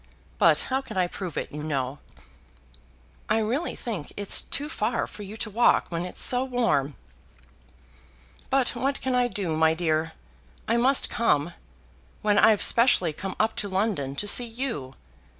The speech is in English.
But how can I prove it, you know?" "I really think it's too far for you to walk when it's so warm." "But what can I do, my dear? I must come, when I've specially come up to London to see you.